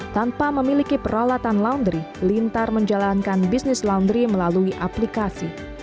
tanpa memiliki peralatan laundry lintar menjalankan bisnis laundry melalui aplikasi